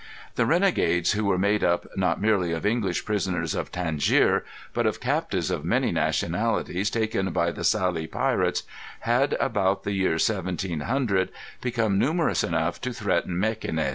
The renegades, who were made up not merely of English prisoners of Tangier, but of captives of many nationalities taken by the Salee pirates, had, about the year 1700, become numerous enough to threaten Mequinez.